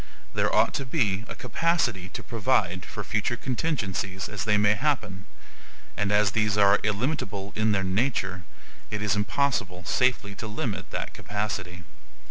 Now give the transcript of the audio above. There ought to be a CAPACITY to provide for future contingencies as they may happen; and as these are illimitable in their nature, it is impossible safely to limit that capacity.